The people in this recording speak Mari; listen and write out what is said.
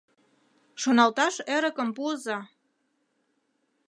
Шоналташ эрыкым пуыза...